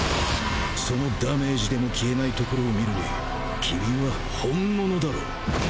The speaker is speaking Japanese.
そのダメージでも消えないところを見るに君は本物だろ？